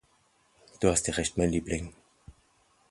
Du hast ja recht, mein Liebling.